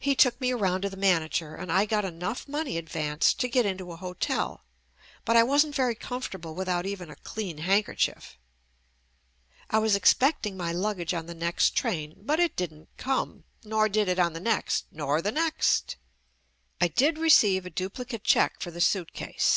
He took me around to the manager and I got enough money advanced to get into a hotel, but I wasn't very comfortable with out even a clean handkerchief. I was expect ing my luggage on the next train, but it didn't come, nor did it on the next, nor the next. I did receive a duplicate check for the suitcase.